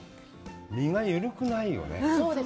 身が緩くないよね。